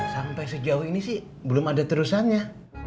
sampai sejauh ini sih belum ada terusannya